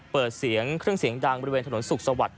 เปิดเสียงเครื่องเสียงดังบริเวณถนนสุขสวัสดิ